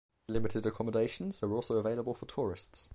Limited accommodations are also available for tourists.